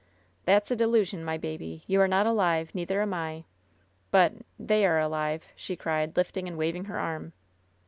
"That's a delusion, my baby. You are not alive, neither am I. But — ^they are alive !" sLe cried, lifting and waving her arm.